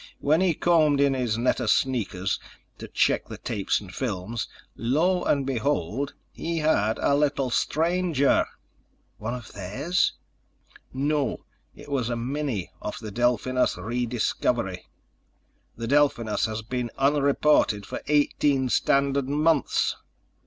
When he combed in his net of sneakers to check the tapes and films, lo and behold, he had a little stranger." "One of theirs?" "No. It was a mini off the Delphinus Rediscovery. The Delphinus has been unreported for eighteen standard months!"